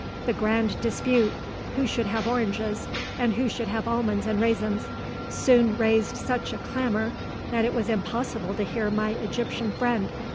the grand dispute, who should have oranges, and who should have almonds and raisins, soon raised such a clamour that it was impossible to hear my Egyptian friend